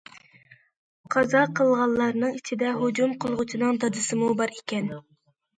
قازا قىلغانلارنىڭ ئىچىدە ھۇجۇم قىلغۇچىنىڭ دادىسىمۇ بار ئىكەن.